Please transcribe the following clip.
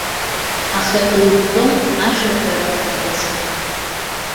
Аха еиқәтәом ашәаҳәара, акәашара.